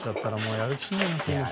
やる気しないよ。